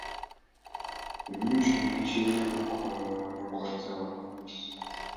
Эмне үчүн эмгиче эл эвакуацияланган эмес?